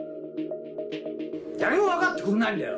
誰も分かってくれないんだよ。